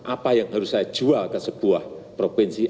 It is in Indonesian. apa yang harus saya jual ke sebuah provinsi